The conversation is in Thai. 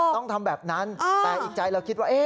ต้องทำแบบนั้นแต่อีกใจเราคิดว่า